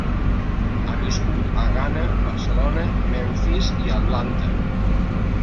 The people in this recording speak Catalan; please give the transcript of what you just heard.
Ha viscut a Ghana, Barcelona, Memphis i Atlanta.